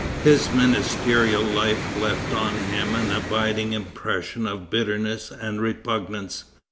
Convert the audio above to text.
His ministerial life left on him an abiding impression of bitterness and repugnance.